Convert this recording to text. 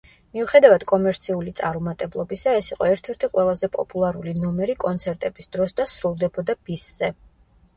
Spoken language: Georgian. მიუხედავად კომერციული წარუმატებლობისა, ეს იყო ერთ-ერთი ყველაზე პოპულარული ნომერი კონცერტების დროს და სრულდებოდა ბისზე.